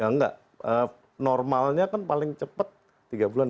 enggak enggak normalnya kan paling cepat tiga bulan